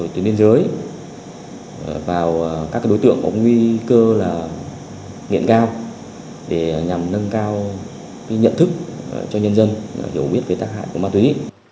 tuyên liên giới vào các đối tượng có nguy cơ nghiện cao để nhằm nâng cao nhận thức cho nhân dân hiểu biết về tác hại của ma túy